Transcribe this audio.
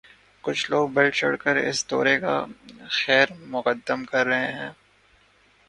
کچھ لوگ بڑھ چڑھ کر اس دورے کا خیر مقدم کر رہے ہیں۔